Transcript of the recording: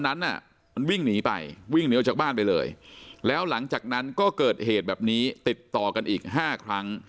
นั้นน่ะมันวิ่งหนีไปวิ่งเหนียวจากบ้านไปเลยแล้วหลังจากนั้นก็เกิดเหตุแบบนี้ติดต่อกันอีก๕ครั้ง